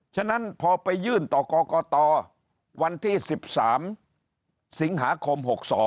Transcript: ฉะนั้นพอไปยื่นต่อกรกตวันที่๑๓สิงหาคม๖๒